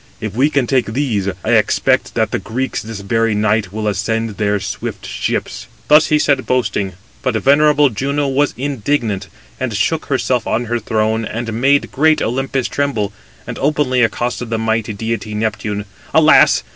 If we can take these, I expect that the Greeks this very night will ascend their swift ships." Thus he said boasting; but venerable Juno was indignant, and shook herself on her throne, and made great Olympus tremble; and openly accosted the mighty deity, Neptune: "Alas!